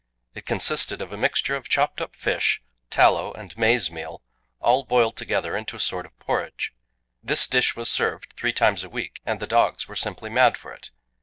It consisted of a mixture of chopped up fish, tallow, and maize meal, all boiled together into a sort of porridge. This dish was served three times a week, and the dogs were simply mad for it.